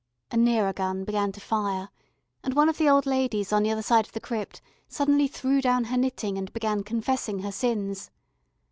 A nearer gun began to fire, and one of the old ladies on the other side of the crypt suddenly threw down her knitting and began confessing her sins.